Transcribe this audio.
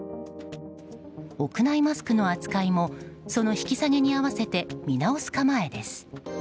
屋内マスクの扱いもその引き下げに合わせて見直す構えです。